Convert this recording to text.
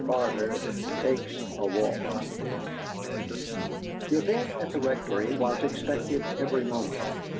BARTER TAKES A WALK The event at the Rectory was expected every moment.